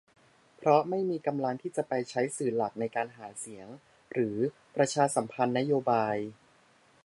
เพราะไม่มีกำลังที่จะไปใช้สื่อหลักในการหาเสียง หรือ ประชาสัมพันธ์นโยบาย